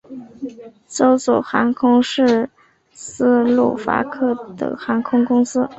探索航空是斯洛伐克的航空公司。